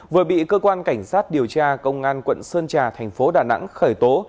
vừa bị cơ quan cảnh sát điều tra công an quận sơn trà thành phố đà nẵng khởi tố